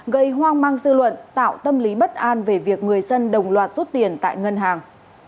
gây hoang mang dư luận tạo tâm lý bất an về việc người dân đồng loạt rút tiền tại ngân hàng